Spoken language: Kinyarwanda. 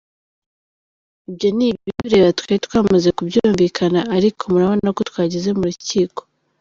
Ibyo ni ibitureba twari twamaze kubyumvikana, ariko murabona ko twageze mu rukiko.